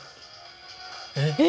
えっ！？